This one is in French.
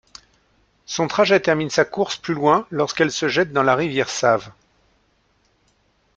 Son trajet termine sa course plus loin lorsqu’elle se jette dans la rivière Save.